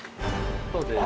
そうです。